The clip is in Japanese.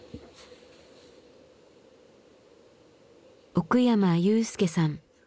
奥山雄介さん。